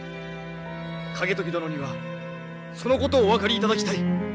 景時殿にはそのことをお分かりいただきたい。